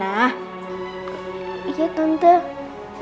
aku denger suara bunda tadi di telepon